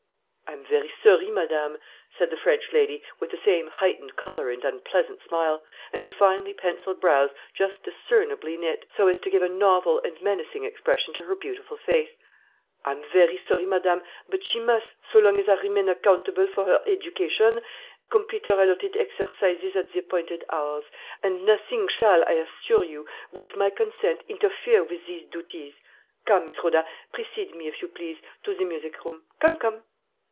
"I am very sorry, madame," said the French lady, with the same heightened color and unpleasant smile, and her finely penciled brows just discernibly knit, so as to give a novel and menacing expression to her beautiful face "I am very sorry, madame, but she must, so long as I remain accountable for her education, complete her allotted exercises at the appointed hours; and nothing shall, I assure you, with my consent, interfere with these duties. Come, Miss Rhoda, precede me, if you please, to the music room. Come, come."